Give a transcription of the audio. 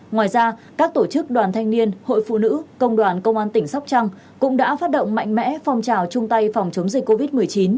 ngoài ra các tổ chức đoàn thanh niên hội phụ nữ công đoàn công an tỉnh sóc trăng cũng đã phát động mạnh mẽ phong trào chung tay phòng chống dịch covid một mươi chín